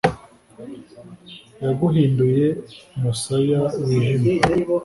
yaguhinduye umusaya wijimye